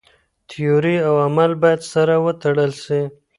تيوري او عمل بايد سره وتړل سي.